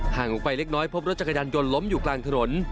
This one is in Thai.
ลงไปเล็กน้อยพบรถจักรยานยนต์ล้มอยู่กลางถนน